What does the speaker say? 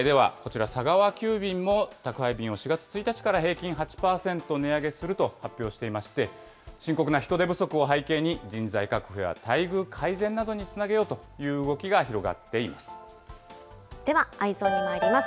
物流業界ではこちら、佐川急便も宅配便を４月１日から平均８％値上げすると発表していまして、深刻な人手不足を背景に、人材確保や待遇改善などにつなげようという動きが広がっています。